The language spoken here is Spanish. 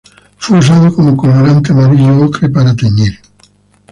Fue usado como colorante amarillo-ocre para teñir.